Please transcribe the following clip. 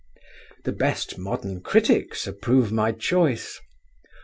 The best modern critics approve my choice.